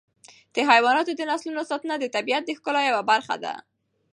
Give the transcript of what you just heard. د حیواناتو د نسلونو ساتنه د طبیعت د ښکلا یوه برخه ده.